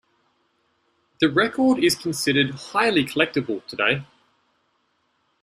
The record is considered highly collectible today.